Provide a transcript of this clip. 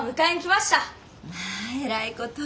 まあ偉いこと。